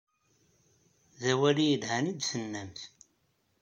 D awal i yelhan i d-tennamt.